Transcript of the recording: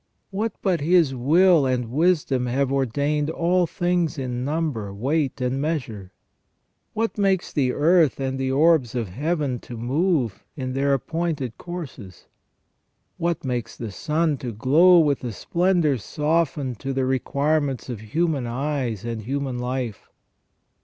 What but His will and wisdom have ordained all things in number, weight, and measure ? What makes the earth and the orbs of Heaven to move in their appointed courses? What makes the sun to glow with a splendour softened to the requirements of human eyes and human life